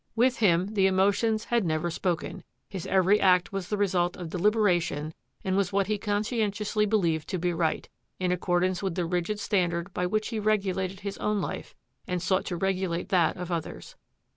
With him, the emotions had never spoken; his every act was the result of deliberation and was what he conscientiously be lieved to be right, in accordance with the rigid standard by which he regulated his own life and sought to regulate that of others.